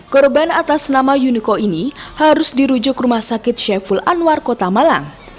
korban atas nama yuniko ini harus dirujuk ke rumah sakit syaiful anwar kota malang